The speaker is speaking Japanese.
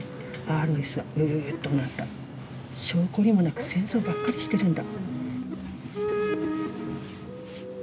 『しょうこりもなく戦争ばっかりしてるんだ』」。